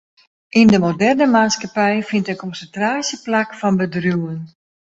Yn de moderne maatskippij fynt in konsintraasje plak fan bedriuwen.